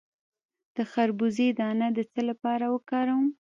د خربوزې دانه د څه لپاره وکاروم؟